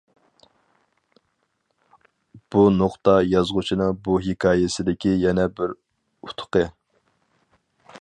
بۇ نۇقتا يازغۇچىنىڭ بۇ ھېكايىسىدىكى يەنە بىر ئۇتۇقى.